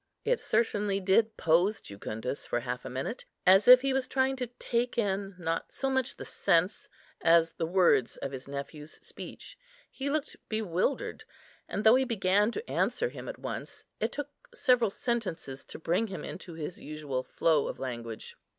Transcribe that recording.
It certainly did pose Jucundus for half a minute, as if he was trying to take in, not so much the sense, as the words of his nephew's speech. He looked bewildered, and though he began to answer him at once, it took several sentences to bring him into his usual flow of language.